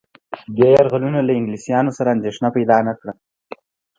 دې یرغلونو له انګلیسيانو سره اندېښنه پیدا نه کړه.